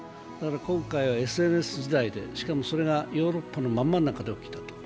今回はＳＮＳ時代で、しかも、それがヨーロッパのまん真ん中で起きたと。